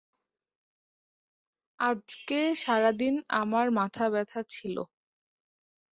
এই কাউন্টি বেশ কয়েকটি প্যারিশ দ্বারা গঠিত হয়েছে, যার নেতৃত্বে থাকেন একজন আইন-সভার সদস্য।